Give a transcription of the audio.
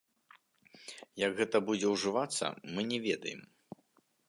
Як гэта будзе ўжывацца, мы не ведаем.